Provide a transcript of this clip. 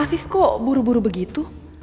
afif kok buru buru begitu